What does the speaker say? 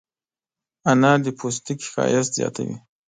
انار د پوستکي ښایست زیاتوي.